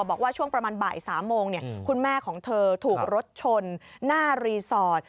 บอกว่าช่วงประมาณบ่าย๓โมงคุณแม่ของเธอถูกรถชนหน้ารีสอร์ท